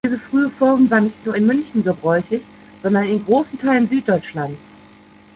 Diese frühe Form war nicht nur in München gebräuchlich, sondern in großen Teilen Süddeutschlands.